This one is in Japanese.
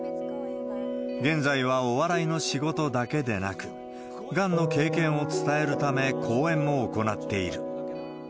現在はお笑いの仕事だけでなく、がんの経験を伝えるため、講演も行っている。